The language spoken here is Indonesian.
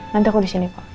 nanti aku disini pak